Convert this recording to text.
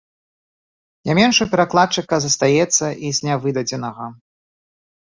Не менш у перакладчыка застаецца і з нявыдадзенага.